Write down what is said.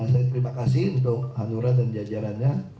saya terima kasih untuk hanura dan jajarannya